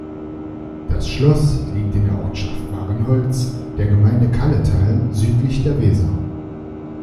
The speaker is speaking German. Das Schloss liegt in der Ortschaft Varenholz der Gemeinde Kalletal, südlich der Weser.